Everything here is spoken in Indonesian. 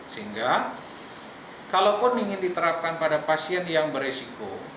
sehingga kalaupun ingin diterapkan pada pasien yang beresiko